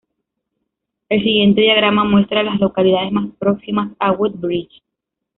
El siguiente diagrama muestra a las localidades más próximas a Woodbridge.